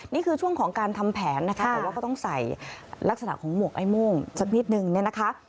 นี่คือช่วงของการทำแผนนะคะแต่ว่าก็ต้องใส่ลักษณะของหมวกไอ้โม่งสักนิดนึงเนี่ยนะคะ